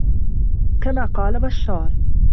كَمَا قَالَ بَشَّارٌ